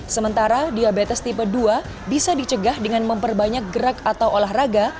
sementara diabetes tipe dua bisa dicegah dengan memperbanyak gerak atau olahraga